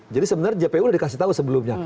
jadi sebenarnya jpu sudah dikasih tahu sebelumnya